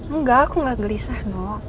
enggak aku gak gelisah no